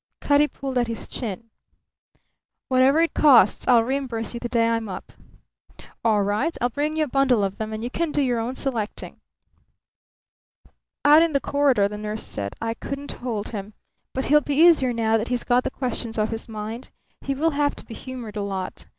Cutty pulled at his chin. "Whatever it costs I'll reimburse you the day I'm up." "All right. I'll bring you a bundle of them, and you can do your own selecting." Out in the corridor the nurse said: "I couldn't hold him. But he'll be easier now that he's got the questions off his mind. He will have to be humoured a lot.